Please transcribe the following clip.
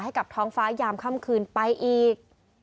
ให้กับท้องฟ้ายามค่ำคืนไปอีก